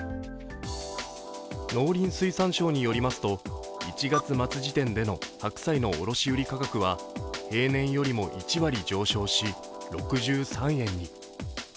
農林水産省によりますと、１月末時点での白菜の卸売価格は平年よりも１割上昇し６３円に。